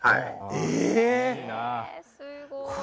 えーすごい。